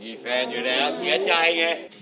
มีแฟนอยู่แล้วเสียใจไง